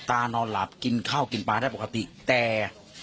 นอนหลับกินข้าวกินปลาได้ปกติแต่